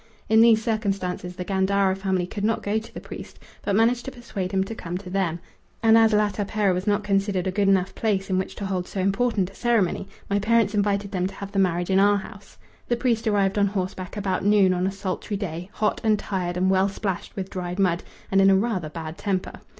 In these circumstances the Gandara family could not go to the priest, but managed to persuade him to come to them, and as La Tapera was not considered a good enough place in which to hold so important a ceremony, my parents invited them to have the marriage in our house. The priest arrived on horseback about noon on a sultry day, hot and tired and well splashed with dried mud, and in a rather bad temper.